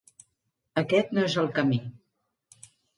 Aquest no és el camí.